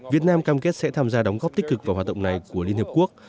việt nam cam kết sẽ tham gia đóng góp tích cực vào hoạt động này của liên hợp quốc